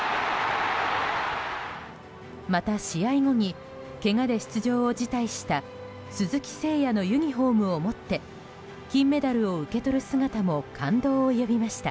また、試合後にけがで出場を辞退した鈴木誠也のユニホームを持って金メダルを受け取る姿も感動を呼びました。